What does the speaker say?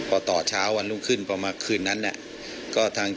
หากผู้ต้องหารายใดเป็นผู้กระทำจะแจ้งข้อหาเพื่อสรุปสำนวนต่อพนักงานอายการจังหวัดกรสินต่อไป